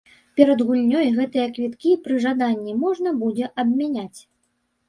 Перад гульнёй гэтыя квіткі пры жаданні можна будзе абмяняць.